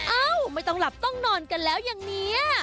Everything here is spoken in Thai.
เอ้าไม่ต้องหลับต้องนอนกันแล้วอย่างนี้